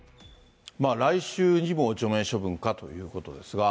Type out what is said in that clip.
来週にも除名処分かということですが。